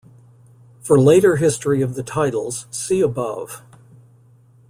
For later history of the titles, see above.